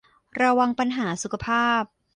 ระวังปัญหาสุขภาพ